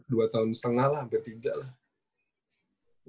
dua tahun setengah lah hampir tidak lah